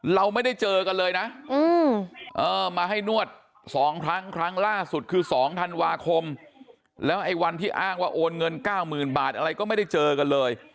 เราไม่ได้เจอกันเลยนะมาให้นวด๒ครั้งครั้งล่าสุดคือ๒ธันวาคมแล้วไอ้วันที่อ้างว่าโอนเงิน๙๐๐๐บาทอะไรก็ไม่ได้เจอกันเลย